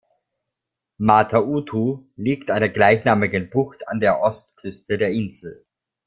Mata-Utu liegt an der gleichnamigen Bucht an der Ostküste der Insel.